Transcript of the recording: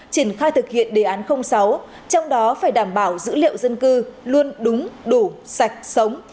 triển khai thực hiện đề án sáu trong đó phải đảm bảo dữ liệu dân cư luôn đúng đủ sạch sống